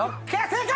正解！